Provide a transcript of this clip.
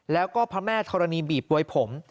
แล้วก็พระแม่ธรณีบีบมวยผม